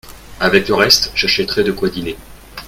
Avec le reste j'achèterai de quoi dîner.